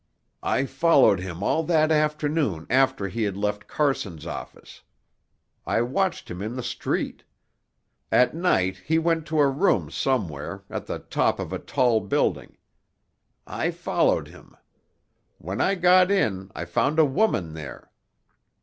"I followed him all that afternoon after he had left Carson's office. I watched him in the street. At night he went to a room somewhere at the top of a tall building. I followed him. When I got in I found a woman there.